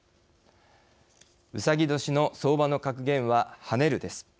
うさぎ年の相場の格言は跳ねるです。